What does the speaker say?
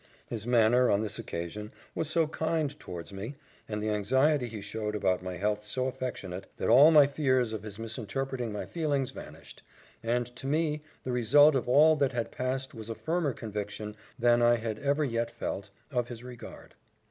His manner, on this occasion, was so kind towards me, and the anxiety he showed about my health so affectionate, that all my fears of his misinterpreting my feelings vanished; and to me the result of all that had passed was a firmer conviction, than I had ever yet felt, of his regard.